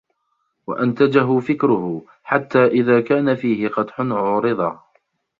وَأَنْتَجَهُ فِكْرُهُ حَتَّى إذَا كَانَ فِيهِ قَدْحٌ عُورِضَ